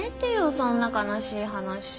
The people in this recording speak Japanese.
そんな悲しい話。